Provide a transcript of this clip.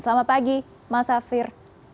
selamat pagi mas safir